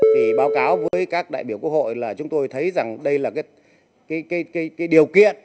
thì báo cáo với các đại biểu quốc hội là chúng tôi thấy rằng đây là điều kiện